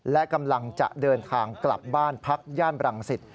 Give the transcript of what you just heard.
และกำลังจะเดินทางกลับบ้านพักย่านบรังสิต